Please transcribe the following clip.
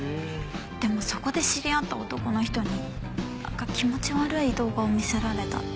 でもそこで知り合った男の人になんか気持ち悪い動画を見せられたって。